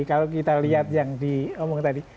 kalau kita lihat yang diomong tadi